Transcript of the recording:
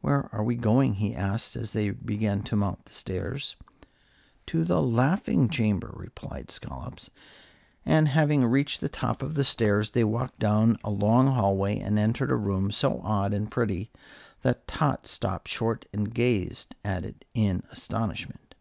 "Where are we going?" he asked, as they began to mount the stairs. "To the laughing chamber," replied Scollops; and having reached the top of the stairs, they walked down a long hallway and entered a room so odd and pretty that Tot stopped short and gazed at it in astonishment.